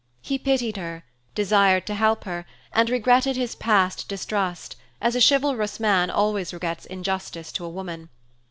He pitied her, desired to help her, and regretted his past distrust, as a chivalrous man always regrets injustice to a woman.